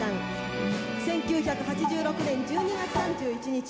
１９８６年１２月３１日